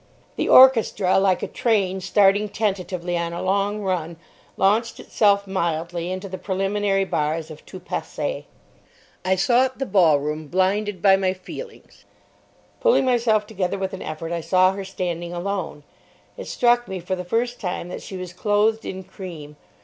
The orchestra, like a train starting tentatively on a long run, launched itself mildly into the preliminary bars of Tout Passe. I sought the ballroom blinded by my feelings. Pulling myself together with an effort, I saw her standing alone. It struck me for the first time that she was clothed in cream.